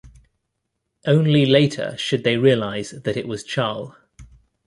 Only later should they realise that it was Charle.